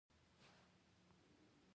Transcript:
آیا زیارتونو ته تګ د ځینو خلکو دود نه دی؟